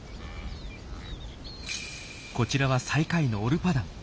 こちらは最下位のオルパダン。